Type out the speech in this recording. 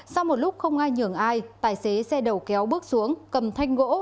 sau một lúc không ai nhường ai tài xế xe đầu kéo bước xuống cầm thanh gỗ